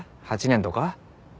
８年とか？